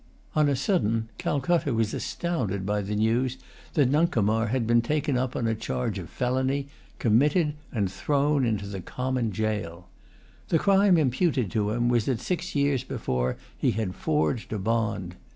On a sudden, Calcutta was astounded by the news that Nuncomar had been taken up on a charge of felony, committed, and thrown into the common jail. The crime imputed to him was that six years before he had forged a bond.